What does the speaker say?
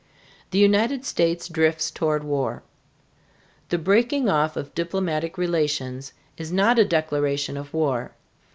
THE UNITED STATES DRIFTS TOWARD WAR. The breaking off of diplomatic relations is not a declaration of war.